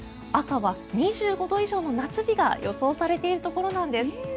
赤は２５度以上の夏日が予想されているところなんです。